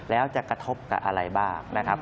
แล้วจะกระทบกับอะไรบ้างนะครับ